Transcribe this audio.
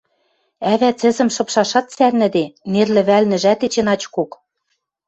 Ӓвӓ цӹзӹм шыпшашат цӓрнӹде, нер лӹвӓлнӹжӓт эче начкок